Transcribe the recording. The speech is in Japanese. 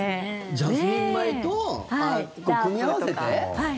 ジャスミン米と組み合わせて？